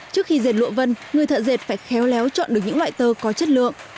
trước khi dệt lụa vân người thợ dệt phải khéo léo chọn được những loại tơ có chất lượng